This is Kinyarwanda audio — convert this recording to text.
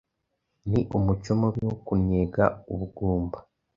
ni umuco mubi wo kunnyega ubugumba